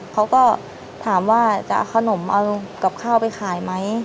เขาก็ถามว่าจะเอาขนมเอากับข้าวไปขายไหม